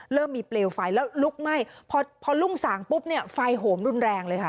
เริ่มมีเปลวไฟแล้วลุกไหม้พอรุ่งสางปุ๊บเนี่ยไฟโหมรุนแรงเลยค่ะ